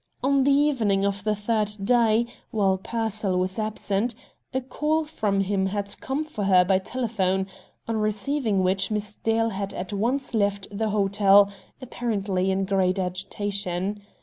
On the evening of the third day, while Pearsall was absent, a call from him had come for her by telephone, on receiving which Miss Dale had at once left the hotel, apparently in great agitation.